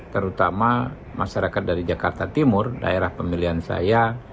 terutama masyarakat dari jakarta timur daerah pemilihan saya